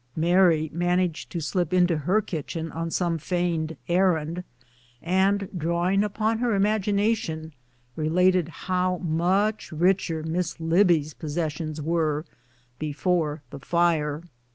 Mary managed to slip into her kitchen on some feigned errand, and drawing upon her imagination re lated how much richer Miss Libbie's possessions were before the fire.